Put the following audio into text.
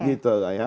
gitu lah ya